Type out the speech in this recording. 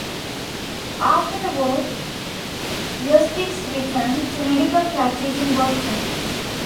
After the war Eustis returned to medical practice in Boston.